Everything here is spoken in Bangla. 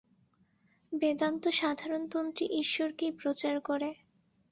বেদান্ত সাধারণতন্ত্রী ঈশ্বরকেই প্রচার করে।